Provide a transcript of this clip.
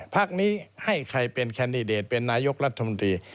พักนี้ให้ใครเป็นแคนดิเดตเป็นนายกรัฐมนตรี